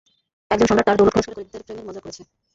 একজন সম্রাট তার দৌলত খরচ করে, গরীবদের প্রেমের মজা করেছে।